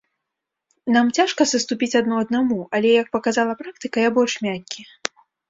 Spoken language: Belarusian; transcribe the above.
Нам цяжка саступіць адно аднаму, але, як паказала практыка, я больш мяккі.